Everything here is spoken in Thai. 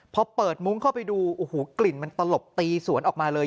พอเปิดมุ้งเข้าไปดูโอ้โหกลิ่นมันตลบตีสวนออกมาเลย